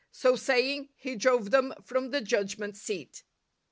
So saying, he drove them from the judgment seat.